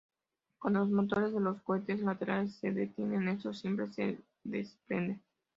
Cuando los motores de los cohetes laterales se detienen, estos simplemente se desprenden.